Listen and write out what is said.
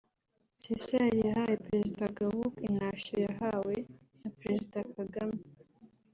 Cesar yahaye Perezida Gauk intashyo yahawe na Perezida Kgame